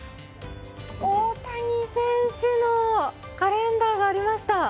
大谷選手のカレンダーがありました！